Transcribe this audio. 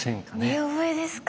見覚えですか？